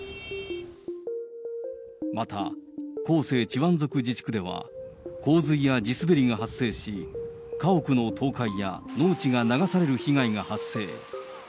また、広西チワン族自治区では、洪水や地滑りが発生し、家屋の倒壊や農地が流される被害が発生。